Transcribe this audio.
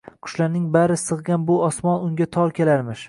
Qushlarning bari sig’gan shu osmon unga tor kelarmish.